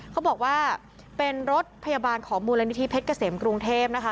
เขาบอกว่าเป็นรถพยาบาลของมูลนิธิเพชรเกษมกรุงเทพนะคะ